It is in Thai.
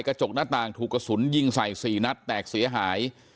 กระจกหน้าต่างถูกกระสุนยิงใส่๔นัดแตกเสียหาย